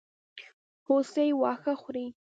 هوسۍ واښه خوري.